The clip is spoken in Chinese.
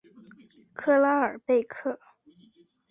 克拉尔贝克。